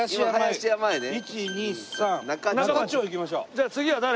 じゃあ次は誰？